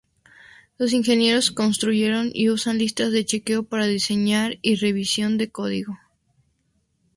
Los ingenieros construyen y usan listas de chequeo para diseño y revisión de código.